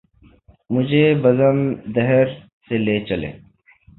مجھے بزم دہر سے لے چلے